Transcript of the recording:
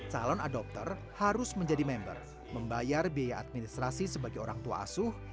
calon adopter harus menjadi member membayar biaya administrasi sebagai orang tua asuh